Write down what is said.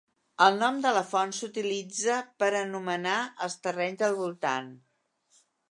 El nom de la font s'utilitza per a anomenar els terrenys del voltant.